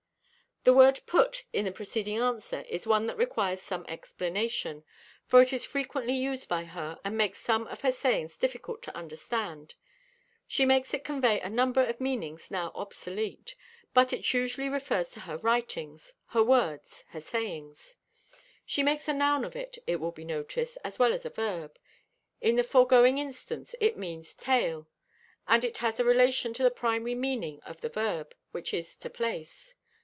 The word "put" in the preceding answer is one that requires some explanation, for it is frequently used by her, and makes some of her sayings difficult to understand. She makes it convey a number of meanings now obsolete, but it usually refers to her writings, her words, her sayings. She makes a noun of it, it will be noticed, as well as a verb. In the foregoing instance it means "tale," and it has a relation to the primary meaning of the verb, which is to place.